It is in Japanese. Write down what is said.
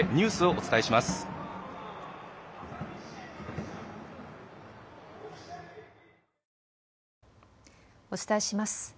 お伝えします。